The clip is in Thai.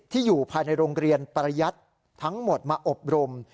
อยู่ภายในโรงเรียนประยัติทั้งหมดมาอบรม